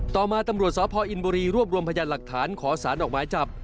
ต่อมาตำรวจสพอินบุรีรวบรวมพยานหลักฐานขอสารออกหมายจับ